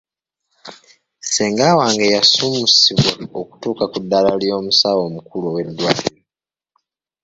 Ssenga wange yasuumuusibwa okutuuka ku ddaala ly'omusawo omukulu ow'eddwaliro.